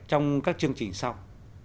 trong các chương trình sau